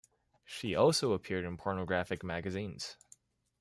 She also appeared in pornographic magazines.